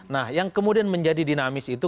nah yang kemudian menjadi dinamis itu